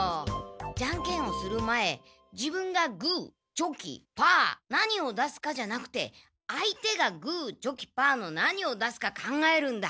ジャンケンをする前自分がグーチョキパー何を出すかじゃなくて相手がグーチョキパーの何を出すか考えるんだ。